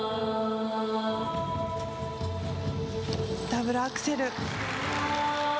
ダブルアクセル。